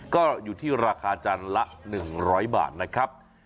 ก็อยู่ที่ราคาจานละ๑๐๐บาทนะครับ